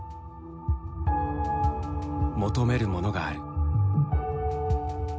求めるものがある。